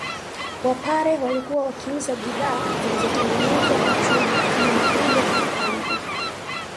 Wapare walikuwa wakiuza bidhaa zinazotengenezwa na chuma kama majembe na mapanga